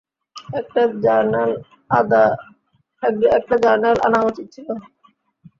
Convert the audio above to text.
একটা জার্নাল আনা উচিত ছিল।